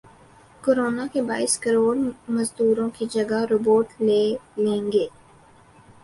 corona کے باعث کروڑ مزدوروں کی جگہ روبوٹ لے لیں گے